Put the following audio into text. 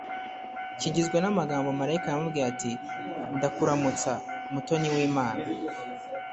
kigizwe n’amagambo malayika yamubwiye ati “ndakuramutsa, mutoni w’imana;